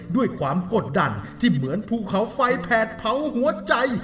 ด้วยความกดดันที่เหมือนภูเขาไฟแผดเผาหัวใจ